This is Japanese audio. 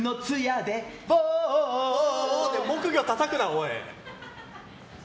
木魚たたくな、おい！